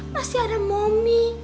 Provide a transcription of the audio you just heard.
masih ada mommy